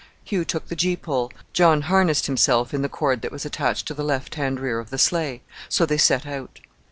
Hugh took the gee pole, John harnessed himself in the cord that was attached to the left hand rear of the sleigh; so they set out.